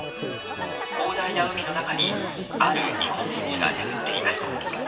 広大な海の中にある日本一が眠っています。